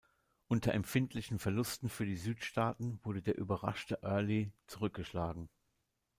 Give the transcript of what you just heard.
Unter empfindlichen Verlusten für die Südstaaten wurde der überraschte Early zurückgeschlagen.